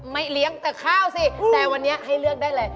ไม่เลี้ยงแต่ข้าวสิแต่วันนี้ให้เลือกได้เลย